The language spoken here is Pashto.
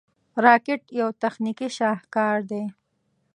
راکټ یو تخنیکي شاهکار دی